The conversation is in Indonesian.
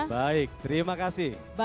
baik terima kasih